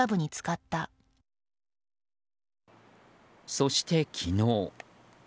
そして昨日。